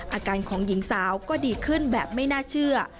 อาการของหญิงสาวก็ดีขึ้นแบบไม่น่าเชื่อ